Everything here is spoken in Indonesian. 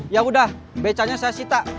ya udah becanya saya sita